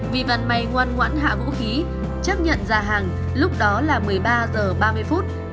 vi văn may ngoan ngoãn hạ vũ khí chấp nhận ra hàng lúc đó là một mươi ba giờ ba mươi phút